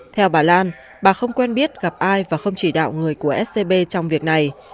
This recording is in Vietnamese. theo bà lan bà không quen biết gặp ai và không chỉ đạo người của scb trong việc này